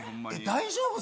大丈夫？